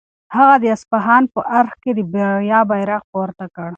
هغه د اصفهان په ارګ کې د بریا بیرغ پورته کړ.